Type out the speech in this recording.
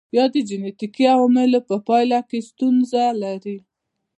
یا د جنېټیکي عواملو په پایله کې ستونزه لري.